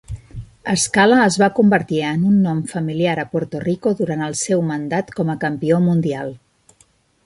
Escala es va convertir en un nom familiar a Puerto Rico durant el seu mandat com a campió mundial.